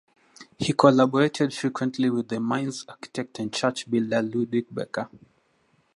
He collaborated frequently with the Mainz architect and church builder Ludwig Becker.